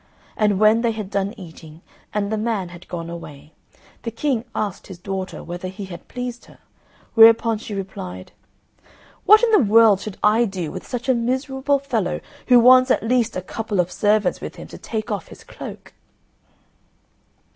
And when they had done eating, and the man had gone away, the King asked his daughter whether he had pleased her, whereupon she replied, "What in the world should I do with such a miserable fellow who wants at least a couple of servants with him to take off his cloak?"